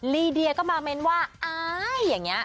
ลีเดียก็มาเม้นว่าอายอย่างนี้